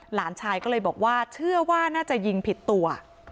หลานชายก็เลยบอกว่าเชื่อว่าน่าจะยิงผิดตัว